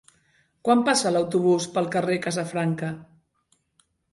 Quan passa l'autobús pel carrer Casafranca?